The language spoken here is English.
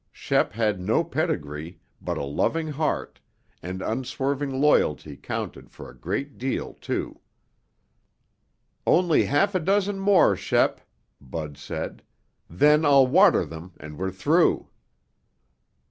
Shep had no pedigree, but a loving heart, and unswerving loyalty counted for a great deal, too. "Only half a dozen more, Shep," Bud said. "Then I'll water them and we're through."